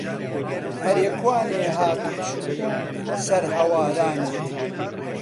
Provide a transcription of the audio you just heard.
ئەرێ کوانێ هات و چووی سەر هەوارانت